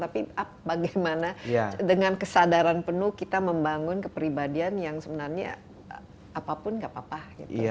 tapi bagaimana dengan kesadaran penuh kita membangun kepribadian yang sebenarnya apapun gak apa apa